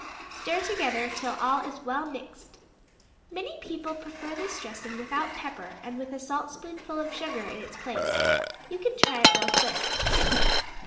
Stir together till all is well mixed. Many people prefer this dressing without pepper and with a saltspoonful of sugar in its place; you can try it both ways.